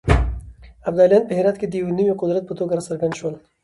ابدالیان په هرات کې د يو نوي قدرت په توګه راڅرګند شول.